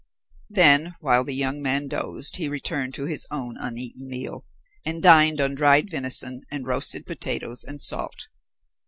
Then, while the young man dozed, he returned to his own uneaten meal, and dined on dried venison and roasted potatoes and salt.